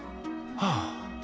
はあ。